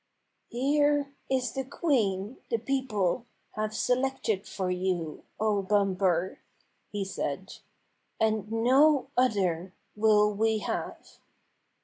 "Here is the queen the people have selected for you, O Bumper," he said. "And no other will we have."